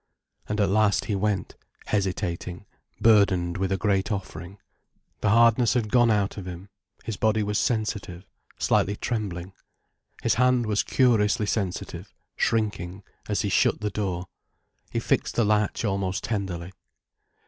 And at last he went, hesitating, burdened with a great offering. The hardness had gone out of him, his body was sensitive, slightly trembling. His hand was curiously sensitive, shrinking, as he shut the door. He fixed the latch almost tenderly.